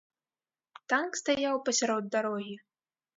Танк стаяў пасярод дарогі.